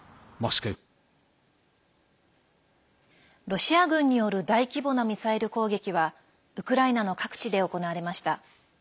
ロシア軍による大規模なミサイル攻撃はウクライナの各地で行われました。